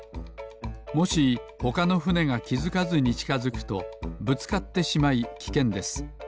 もしほかのふねがきづかずにちかづくとぶつかってしまいきけんです。